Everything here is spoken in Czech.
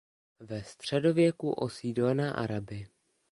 Ve středověku osídlena Araby.